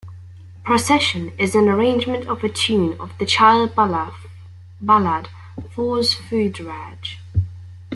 "Procession" is an arrangement of the tune of the Child Ballad "Fause Foodrage".